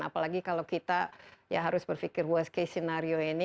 apalagi kalau kita ya harus berpikir worst case scenario ini